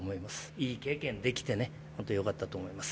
いい経験ができて本当によかったと思います。